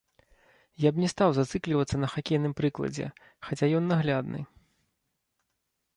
Я б не стаў зацыклівацца на хакейным прыкладзе, хаця ён наглядны.